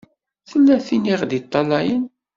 Tella tin i ɣ-d-iṭṭalayen.